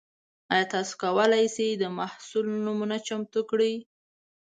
ایا تاسو کولی شئ د محصول نمونه چمتو کړئ؟